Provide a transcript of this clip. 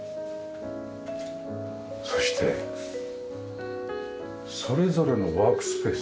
そしてそれぞれのワークスペース。